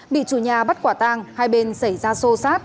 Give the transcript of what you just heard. bị chủ nhà bắt quả tang hai bên xảy ra sô sát